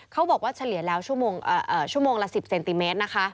เขาบอกว่าเฉลี่ยแล้วชั่วโมงละ๑๐เซนติเมตรนะคะ